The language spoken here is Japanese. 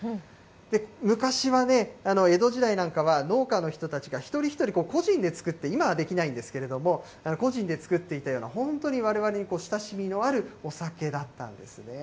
昔は、江戸時代なんかは、農家の人たちが一人一人、個人で作って、今はできないんですけれども、個人で作っていたような、本当にわれわれに親しみのあるお酒だったんですね。